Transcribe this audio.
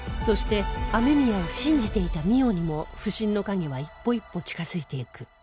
そして雨宮を信じていた望緒にも不審の影は一歩一歩近づいていく